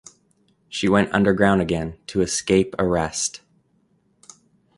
She went underground again to escape arrest.